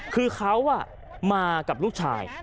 คือเขามากับลูกชาย